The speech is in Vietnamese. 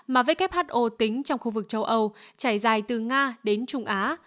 mà who tính trong khu vực châu âu trải dài từ nga đến trung á